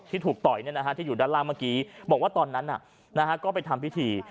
ถูกต่อยที่อยู่ด้านล่างเมื่อกี้บอกว่าตอนนั้นก็ไปทำพิธี